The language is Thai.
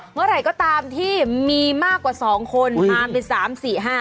เมื่อไหร่ก็ตามที่มีมากกว่าสองคนมาเป็นสามสี่ห้า